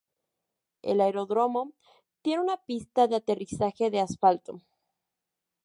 El aeródromo tiene una pista de aterrizaje de asfalto.